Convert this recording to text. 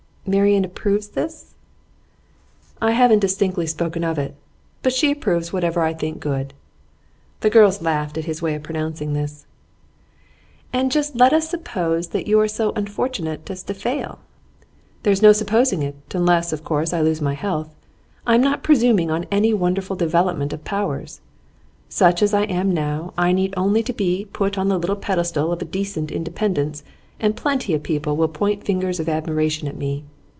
'Marian approves this?' 'I haven't distinctly spoken of it. But she approves whatever I think good.' The girls laughed at his way of pronouncing this. 'And let us just suppose that you are so unfortunate as to fail?' 'There's no supposing it, unless, of course, I lose my health. I am not presuming on any wonderful development of powers. Such as I am now, I need only to be put on the little pedestal of a decent independence and plenty of people will point fingers of admiration at me.